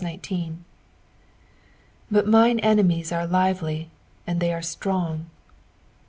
'^ But mine enemiet are lively, and they are ttrorg."